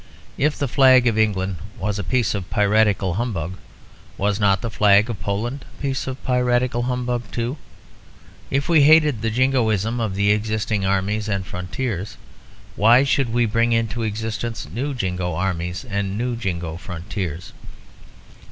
If the flag of England was a piece of piratical humbug, was not the flag of Poland a piece of piratical humbug too? If we hated the jingoism of the existing armies and frontiers, why should we bring into existence new jingo armies and new jingo frontiers?